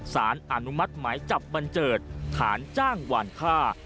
สารอนุมัติหมายจับบันเจิดฐานจ้างหวานฆ่า